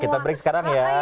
kita break sekarang ya